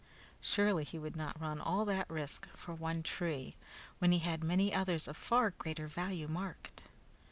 Surely he would not run all that risk for one tree, when he had many others of far greater value marked.